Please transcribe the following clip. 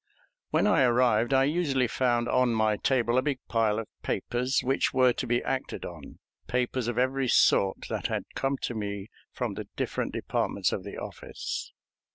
When I arrived I usually found on my table a big pile of papers which were to be acted on, papers of every sort that had come to me from the different departments of the office.